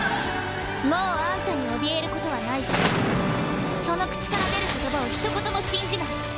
もうあんたにおびえることはないしその口から出る言葉を一言も信じない。